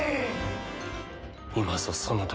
今ぞその時じゃ。